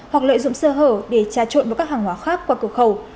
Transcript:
hoặc lợi dụng sơ hở để tra trộn với các hàng hóa khác qua cửa khẩu